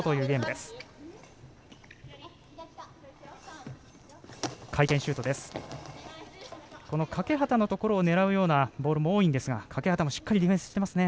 欠端のところを狙うようなボールも多いですが欠端もしっかりディフェンスしていますね。